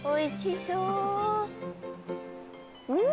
うん！